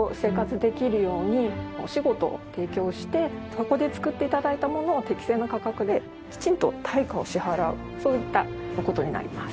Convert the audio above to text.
そこで作って頂いたものを適正な価格できちんと対価を支払うそういった事になります。